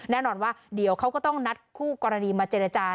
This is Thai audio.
แน่นอนว่าเดี๋ยวเขาก็ต้องนัดคู่กรณีมาเจรจา